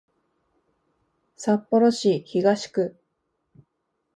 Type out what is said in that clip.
札幌市東区